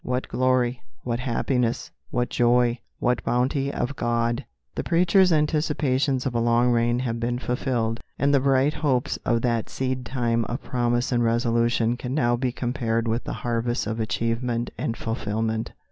What glory! what happiness! what joy! what bounty of God!" The preacher's anticipations of a long reign have been fulfilled, and the bright hopes of that seedtime of promise and resolution can now be compared with the harvest of achievement and fulfilment.